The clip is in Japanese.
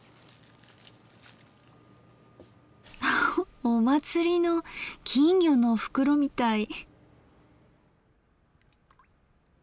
ハハお祭りの金魚の袋みたい。